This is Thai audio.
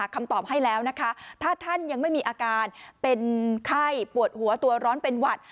คำตอบให้แล้วนะคะถ้าท่านยังไม่มีอาการเป็นไข้ปวดหัวตัวร้อนเป็นหวัด